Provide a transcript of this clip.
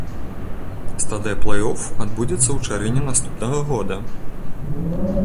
Стадыя плэй-оф адбудзецца ў чэрвені наступнага года.